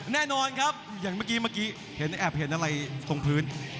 แน่นอนครับอย่างเมื่อกี้เมื่อกี้เห็นแอบเห็นอะไรตรงพื้น